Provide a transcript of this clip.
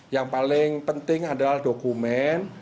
yang paling penting adalah dokumen